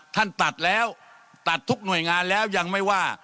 ท่านตัดแล้วตัดทุกหน่วยงานแล้วยังไม่ว่า